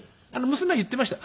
娘言っていました。